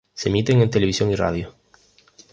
Se emiten en televisión y radio.